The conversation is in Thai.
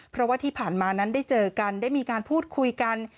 เพราะว่าที่ผ่านมานั้นได้เจอกันได้มีการพูดคุยกัน